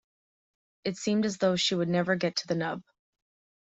It seemed as if she would never get to the nub.